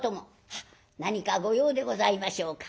「はっ何か御用でございましょうか？」。